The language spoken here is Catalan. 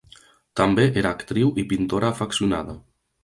També era actriu i pintora afeccionada.